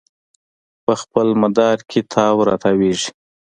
په خپل مدار کې تاو راتاویږي